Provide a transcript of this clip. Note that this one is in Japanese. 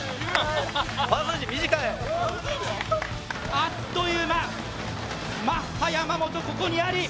あっという間、マッハ山本ここにあり。